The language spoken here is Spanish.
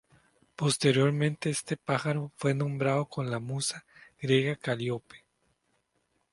Posteriormente este pájaro fue nombrado como la musa griega Calíope.